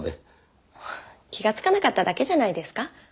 気がつかなかっただけじゃないですか？